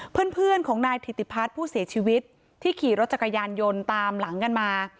เพื่อนของนายถิติพัฒน์ผู้เสียชีวิตที่ขี่รถจักรยานยนต์ตามหลังกันมา